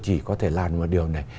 chỉ có thể làm một điều này